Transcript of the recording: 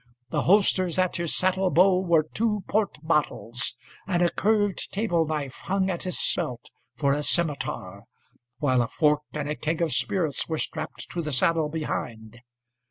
The holsters at his saddle bow were two port bottles, And a curved table knife hung at his belt for a scimitar, While a fork and a keg of spirits were strapped to the saddle behind.